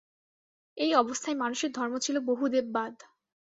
এই অবস্থায় মানুষের ধর্ম ছিল বহুদেববাদ।